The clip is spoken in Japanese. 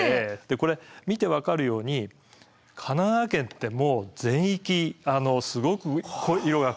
これ見て分かるように神奈川県ってもう全域すごく色が濃いじゃないですか。